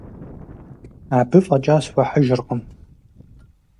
Абы фӏэкӏа схуэхьыжыркъым.